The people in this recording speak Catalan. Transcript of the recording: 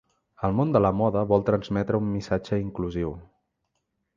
El món de la moda vol transmetre un missatge inclusiu.